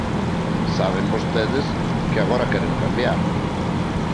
Saben vostedes que agora queren cambiar.